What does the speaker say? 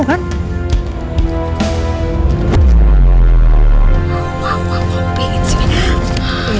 wah wah wah pengen sih